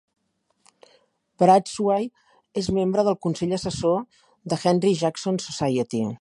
Bradshaw és membre del consell assessor de Henry Jackson Society.